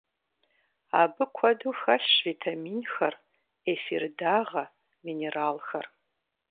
Абы куэду хэлъщ витаминхэр, эфир дагъэ, минералхэр.